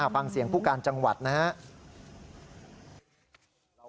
ฟังเสียงผู้การจังหวัดนะครับ